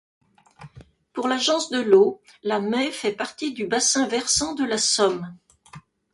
Pour l'Agence de l'eau, la Maye fait partie du bassin versant de la Somme.